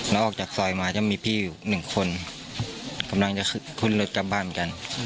แล้วออกจากซอยมาจะมีพี่อยู่หนึ่งคนกำลังจะขึ้นรถกลับบ้านกัน